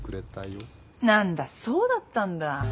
何だそうだったんだ。